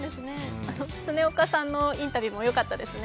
常岡さんのインタビューもよかったですね。